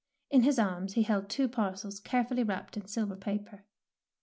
In his arms he held two parcels carefully wrapped in silver paper.